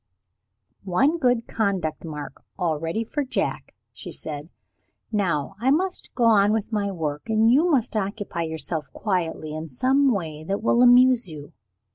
"One good conduct mark already for Jack," she said. "Now I must go on with my work; and you must occupy yourself quietly, in some way that will amuse you.